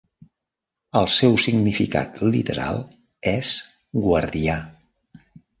El seu significat literal és guardià.